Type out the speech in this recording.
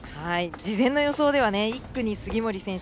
事前の予想では１区に杉森選手